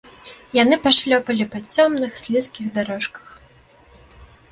Яны пашлёпалі па цёмных слізкіх дарожках.